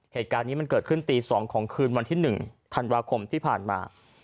เหตุการณ์นี้มันเกิดขึ้นตี๒ของคืนวันที่๑ธันวาคมที่ผ่านมา